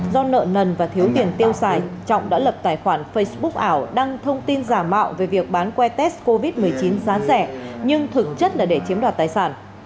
do nợ nần và thiếu tiền tiêu xài trọng đã lập tài khoản facebook ảo đăng thông tin giả mạo về việc bán que test covid một mươi chín giá rẻ nhưng thực chất là để chiếm đoạt tài sản